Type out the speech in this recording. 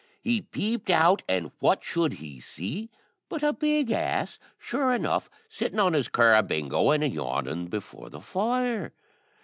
He peeped out, and what should he see but a big ass, sure enough, sitting on his curabingo and yawning before the fire.